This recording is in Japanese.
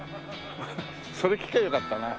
それ聞きゃよかったな。